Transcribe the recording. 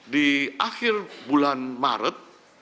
di akhir bulan maret